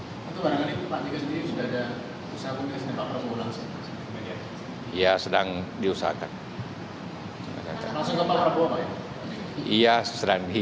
untuk barangkali pak cik sendiri sudah ada usaha usaha yang dapat mengulangkan kegiatan